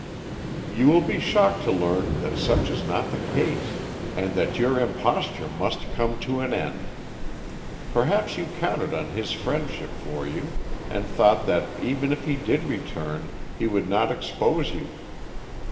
"You will be shocked to learn that such is not the case, and that your imposture must come to an end. Perhaps you counted on his friendship for you, and thought that even if he did return he would not expose you.